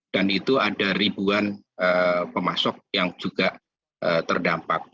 itu ada ribuan pemasok yang juga terdampak